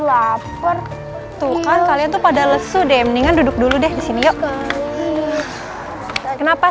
lapar tuh kan kalian tuh pada lesu deh mendingan duduk dulu deh disini yuk kenapa